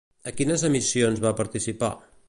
A quines emissions va participar?